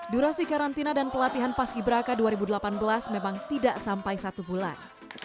durasi karantina dan pelatihan paski braka dua ribu delapan belas memang tidak sampai satu bulan